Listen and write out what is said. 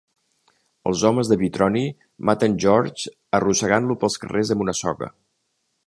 Els homes de Vitroni maten George arrossegant-lo pels carrers amb una soga.